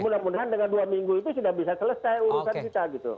mudah mudahan dengan dua minggu itu sudah bisa selesai urusan kita gitu